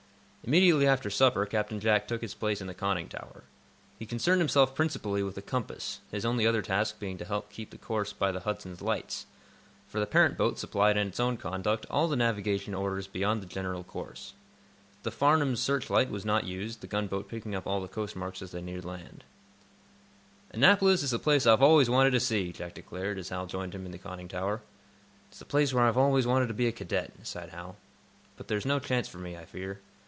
Immediately after supper Captain Jack took his place in the conning tower. He concerned himself principally with the compass, his only other task being to keep the course by the "Hudson's" lights, for the parent boat supplied in its own conduct all the navigation orders beyond the general course. The "Farnum's" searchlight was not used, the gunboat picking up all the coast marks as they neared land. "Annapolis is the place I've always wanted to see," Jack declared, as Hal joined him in the conning tower. "It's the place where I've always wanted to be a cadet," sighed Hal. "But there's no chance for me, I fear.